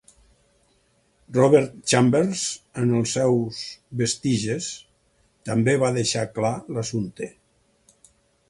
Robert Chambers, en els seus "Vestiges" també va deixar clar l'assumpte.